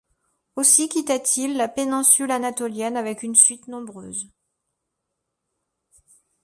Aussi quitta-t-il la péninsule anatolienne avec une suite nombreuse.